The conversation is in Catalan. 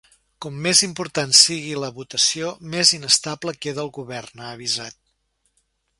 Com més important sigui la votació més inestable queda el Govern, ha avisat.